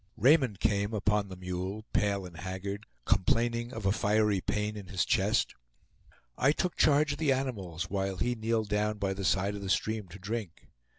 Raymond came upon the mule, pale and haggard, complaining of a fiery pain in his chest. I took charge of the animals while he kneeled down by the side of the stream to drink.